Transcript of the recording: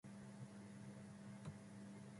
二疋はまるで声も出ず居すくまってしまいました。